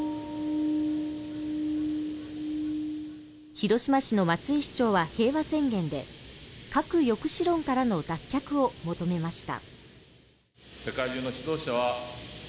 広島市の松井市長は平和宣言で核抑止論からの脱却を求めました。